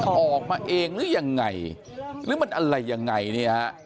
ออกมาเองหรือยังไงหรือมันอะไรยังไงเนี่ยฮะ